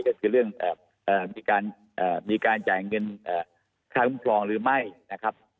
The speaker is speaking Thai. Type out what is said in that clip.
ก็คือเรื่องมีการจ่ายเงินค่าคุ้มครองหรือไม่นะครับ